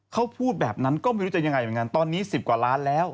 เขาพูดแบบนั้นก็ไม่รู้จะยังไงเหมือนกันตอนนี้๑๐กว่าล้านแล้ว